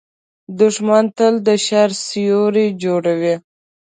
دښمن تل د شر سیوری جوړوي